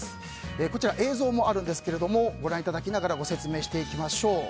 こちらは映像もありますがご覧いただきながらご説明していきましょう。